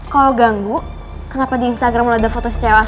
kalo ganggu kenapa di instagram lo ada foto secewa asal an itu